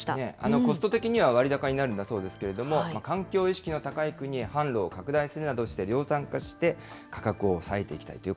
コスト的には割高になるんだそうですけれども、環境意識の高い国へ販路を拡大するなどして、量産化して、価格を抑えていきた